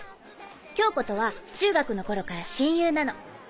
恭子とは中学の頃から親友なの。